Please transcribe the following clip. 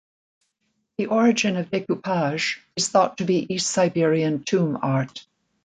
The origin of decoupage is thought to be East Siberian tomb art.